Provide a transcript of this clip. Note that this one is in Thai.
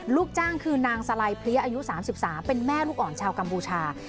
ลูกจ้างคือนางสไลเพลียอายุ๓๓เป็นแม่ลูกอ่อนชาวกัมพูชา